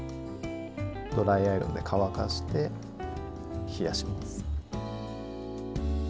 ドライアイロンで乾かして冷やします。